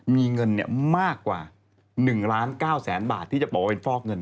มีเงินมากกว่า๑ล้าน๙แสนบาทที่จะบอกว่าเป็นฟอกเงิน